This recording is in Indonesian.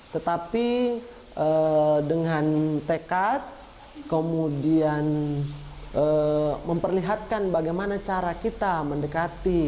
tetapi dengan tekad kemudian memperlihatkan bagaimana cara kita mendekati